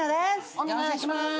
お願いします。